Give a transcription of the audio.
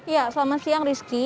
ya selamat siang rizky